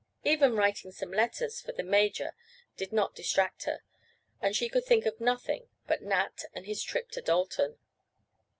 Even writing some letters for the major did not distract her, and she could think of nothing but Nat and his trip to Dalton.